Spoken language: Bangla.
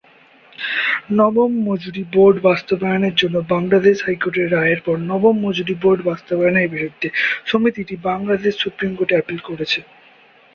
নবম মজুরি বোর্ড বাস্তবায়নের জন্য বাংলাদেশ হাইকোর্টের রায়ের পর নবম মজুরি বোর্ড বাস্তবায়নের বিরুদ্ধে সমিতিটি বাংলাদেশ সুপ্রিম কোর্টে আপিল করেছে।